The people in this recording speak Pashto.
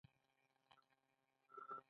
اشواګوشا یو لوی شاعر او فیلسوف و